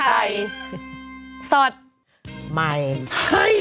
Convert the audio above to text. ใครสอดไม่